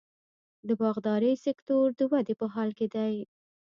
د باغدارۍ سکتور د ودې په حال کې دی.